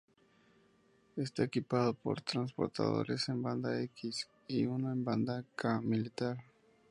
Está equipado con transpondedores en banda X, y uno en banda K militar.